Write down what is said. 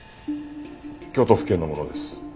京都府警の者です。